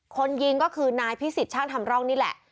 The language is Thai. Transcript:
คนยิงก็คือนายพิสิทธช่างทำร่องนี่แหละ